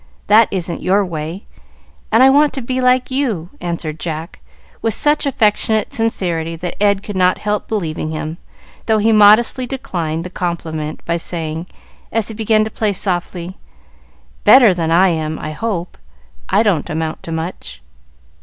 That isn't your way, and I want to be like you," answered Jack, with such affectionate sincerity that Ed could not help believing him, though he modestly declined the compliment by saying, as he began to play softly, "Better than I am, I hope. I don't amount to much."